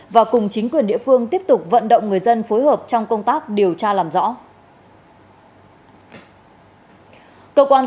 và cùng chính quyền địa phương tiếp tục vận động người dân phối hợp trong công tác điều tra làm rõ